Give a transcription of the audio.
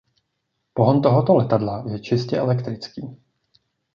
Pohon tohoto letadla je čistě elektrický.